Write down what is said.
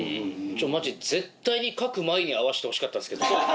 絶対に書く前に会わしてほしかったですけど。